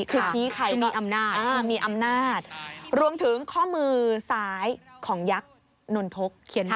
คือชี้ใครมีอำนาจรวมถึงข้อมือซ้ายของยักษ์นนทก